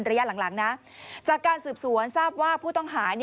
ระยะหลังนะจากการสืบสวนทราบว่าผู้ต้องหา